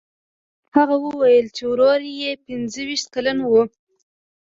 هغه وویل چې ورور یې پنځه ویشت کلن و.